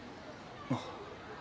あっ。